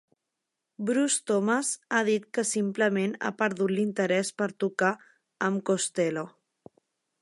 Bruce Thomas ha dit que simplement ha perdut l'interès per tocar amb Costello.